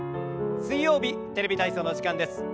水曜日「テレビ体操」の時間です。